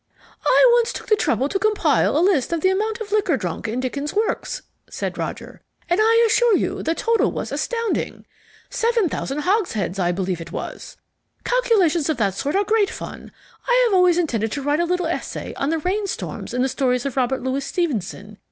"I once took the trouble to compile a list of the amount of liquor drunk in Dickens' works," said Roger, "and I assure you the total was astounding: 7,000 hogsheads, I believe it was. Calculations of that sort are great fun. I have always intended to write a little essay on the rainstorms in the stories of Robert Louis Stevenson.